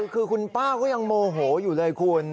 คือคุณป้าก็ยังโมโหอยู่เลยคุณ